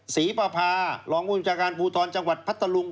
ศรีปภาหลองบุญจังการภูทรจังหวัดพัตตะลุง